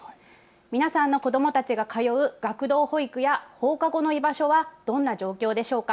皆さんの子どもたちが通う学童保育や放課後の居場所はどんな状況でしょうか。